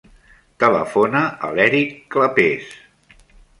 Telefona a l'Èric Clapes.